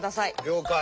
了解。